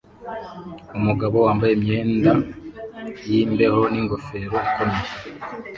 Umugabo wambaye imyenda yimbeho ningofero ikomeye